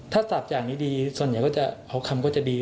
ถ้าจับอย่างนี้ดีส่วนใหญ่ก็จะเอาคำก็จะดี